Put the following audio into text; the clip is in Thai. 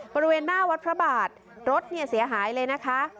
บริเวณหน้าวัดพระบาทรถเนี่ยเสียหายเลยนะคะ